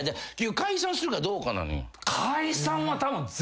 解散するかどうかなのよ。